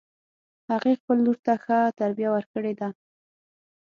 هغې خپل لور ته ښه تربیه ورکړې ده